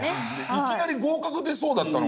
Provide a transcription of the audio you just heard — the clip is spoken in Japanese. いきなり合格が出そうだったのが。